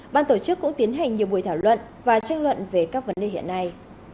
ban tổ chức cũng tiến hành nhiều buổi thảo luận và tranh luận về các vấn đề hiện nay